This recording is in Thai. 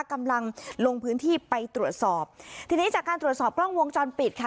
กำลังลงพื้นที่ไปตรวจสอบทีนี้จากการตรวจสอบกล้องวงจรปิดค่ะ